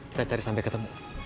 kita cari sampai ketemu